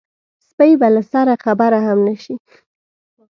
سپۍ به له سره خبره هم نه شي.